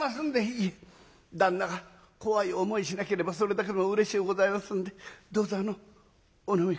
「いえ旦那が怖い思いしなければそれだけでもうれしゅうございますんでどうぞお飲み下さいまして」。